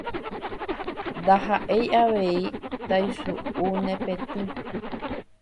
ndaha'éi avei taisu'u ne petỹ